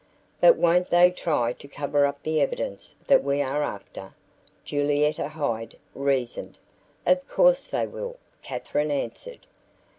"But won't they try to cover up the evidence that we are after?" Julietta Hyde reasoned. "Of course they will," Katherine answered.